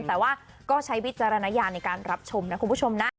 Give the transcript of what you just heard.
แต่ว่าก็ใช้วิจารณญาณในการรับชมนะคุณผู้ชมนะ